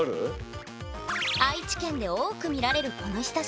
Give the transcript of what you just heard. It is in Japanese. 愛知県で多く見られるこのひさし。